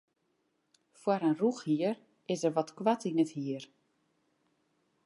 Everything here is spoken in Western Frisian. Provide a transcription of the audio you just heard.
Foar in rûchhier is er wat koart yn it hier.